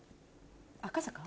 赤坂？